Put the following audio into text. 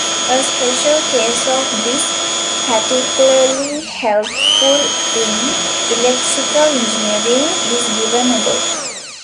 A special case of this, particularly helpful in electrical engineering, is given above.